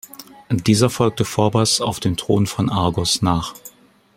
Dieser folgte Phorbas auf dem Thron von Argos nach.